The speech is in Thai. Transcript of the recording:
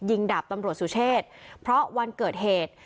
ดาบตำรวจสุเชษเพราะวันเกิดเหตุ